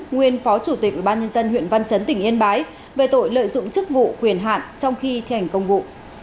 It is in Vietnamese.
nguyên phó chủ tịch ban nhân dân huyện văn chấn tỉnh yên bái về tội lợi dụng chức vụ quyền hạn trong khi thi hành công vụ